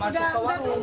masih ke warung